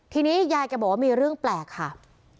ทีนี้ยายแกบอกว่ามีเรื่องแปลกค่ะ